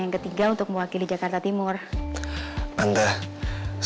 aku kasih inst truths